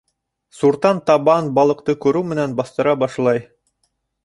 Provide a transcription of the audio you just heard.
Суртан табан балыҡты күреү менән баҫтыра башлай.